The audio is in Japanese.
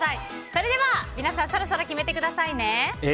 それでは皆さんそろそろ決めてくださいね。